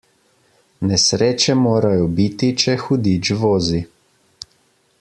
Nesreče morajo biti, če hudič vozi.